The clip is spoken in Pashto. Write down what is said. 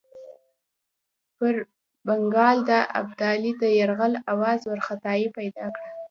پر بنګال د ابدالي د یرغل آوازو وارخطایي پیدا کړه.